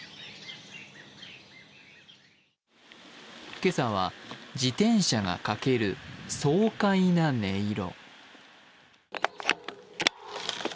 今朝は自転車が駆ける爽快な音色。